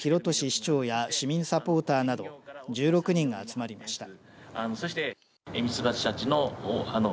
市長や市民サポーターなど１６人が集まりました。